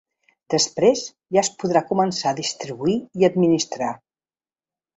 Després, ja es podrà començar a distribuir i administrar.